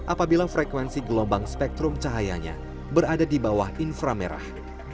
apabila frekuensi gelombang spektrum cahayanya berada di bawah infra merah